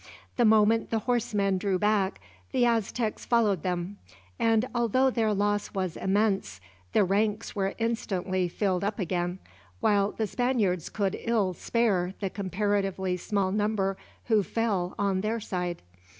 The moment the horsemen drew back, the Aztecs followed them; and although their loss was immense, their ranks were instantly filled up again, while the Spaniards could ill spare the comparatively small number who fell on their side.